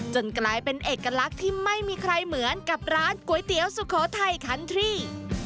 กลายเป็นเอกลักษณ์ที่ไม่มีใครเหมือนกับร้านก๋วยเตี๋ยวสุโขทัยคันทรี่